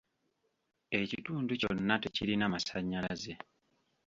Ekitundu kyonna tekirina masannyalaze.